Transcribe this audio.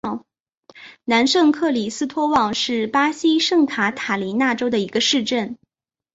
南圣克里斯托旺是巴西圣卡塔琳娜州的一个市镇。